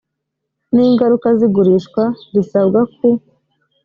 n ingaruka z igurishwa risabwa ku